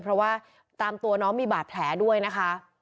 เพราะว่าตามตัวน้องมีบาดแผลด้วยนะคะ